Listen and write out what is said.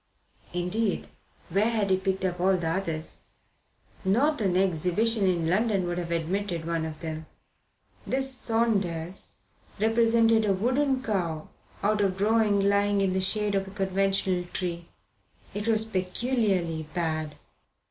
Indeed, where had he picked up all the others? Not an exhibition in London would have admitted one of them. This "Saunders" represented a wooden cow out of drawing lying in the shade of a conventional tree. It was peculiarly bad.